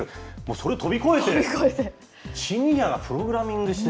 それを飛び越えて、シニアがプログラミングして。